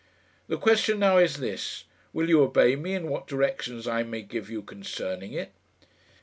The question now is this: Will you obey me in what directions I may give you concerning it?"